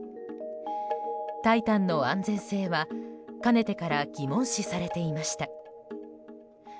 「タイタン」の安全性はかねてから疑問視されていました。